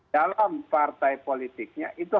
dalam partai politiknya itu